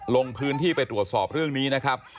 ลงพื้นที่ไปตรวจสอบเรื่องนี้นะครับ